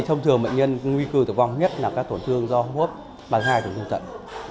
thông thường nguy cư tử vong nhất là các tổn thương do hô hấp bằng hai tử vong tận